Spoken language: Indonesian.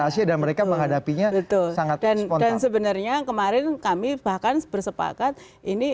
jadi mereka harus mengerti